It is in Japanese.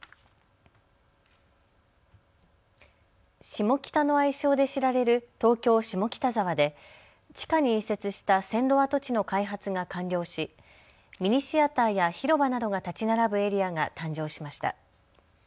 シモキタの愛称で知られる東京下北沢で地下に移設した線路跡地の開発が完了しミニシアターや広場などが建ち並ぶエリアが誕生しました。